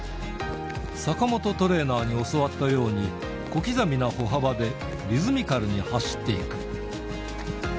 坂本トレーナーに教わったように、小刻みな歩幅で、リズミカルに走っていく。